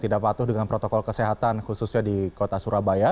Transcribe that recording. tidak patuh dengan protokol kesehatan khususnya di kota surabaya